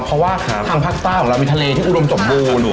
เพราะว่าทางภาคใต้ของเรามีทะเลที่อุดมสมบูรณ์